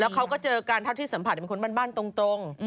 เขาก็เจอกันเท่าที่สัมผัสเป็นคนบ้านตรง